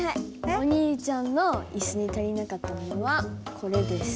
お兄ちゃんのイスに足りなかったものはこれです。